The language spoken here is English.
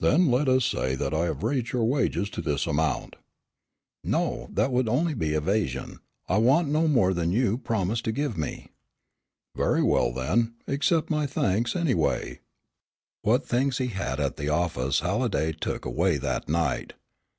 "Then let us say that I have raised your wages to this amount." "No, that would only be evasion. I want no more than you promised to give me." "Very well, then accept my thanks, anyway." What things he had at the office Halliday took away that night.